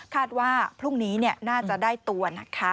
คาดว่าพรุ่งนี้เนี่ยน่าจะได้ตัวนะคะ